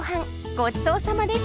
ごちそうさまでした！